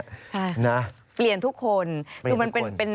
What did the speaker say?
ใช่เปลี่ยนทุกคน